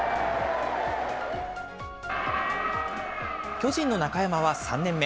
巨人の中山は３年目。